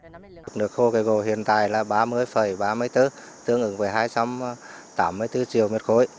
nước khô kẻ gỗ hiện tại là ba mươi ba mươi bốn tương ứng với hai trăm tám mươi bốn triệu m ba